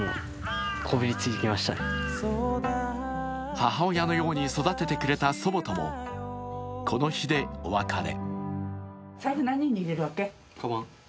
母親のように育ててくれた祖母とも、この日でお別れ。